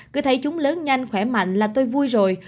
cứ thấy chúng lớn nhanh khỏe mạnh là tôi vui rồi